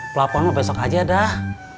pelapon besok aja dah